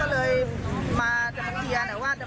ก็มาแม่เขาอะไรอย่างนี้บันเลย